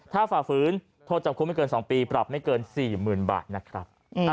ถ้าฝ่าฝืนโทษจำคุกไม่เกิน๒ปีปรับไม่เกิน๔๐๐๐บาทนะครับ